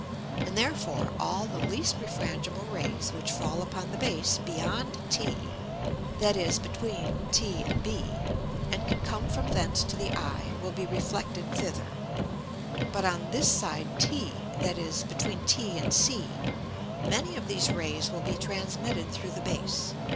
And therefore all the least refrangible Rays which fall upon the Base beyond t, that is, between t and B, and can come from thence to the Eye, will be reflected thither: But on this side t, that is, between t and c, many of these Rays will be transmitted through the Base.